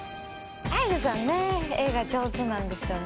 Ａｙａｓｅさんね、絵が上手なんですよね。